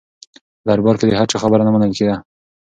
په دربار کې د هر چا خبره نه منل کېده.